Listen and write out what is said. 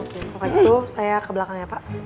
oke kalau gitu saya ke belakang ya pak